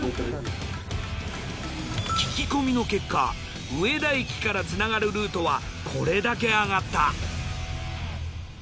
聞き込みの結果上田駅からつながるルートはこれだけあがった。